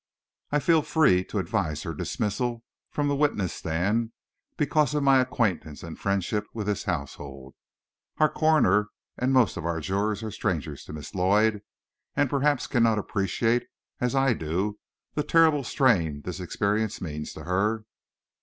I feel free to advise her dismissal from the witness stand, because of my acquaintance and friendship with this household. Our coroner and most of our jurors are strangers to Miss Lloyd, and perhaps cannot appreciate as I do the terrible strain this experience means to her."